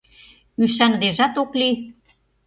Ӱшаныдежат ок лий.